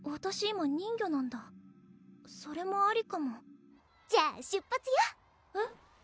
今人魚なんだそれもありかもじゃあ出発よえっ？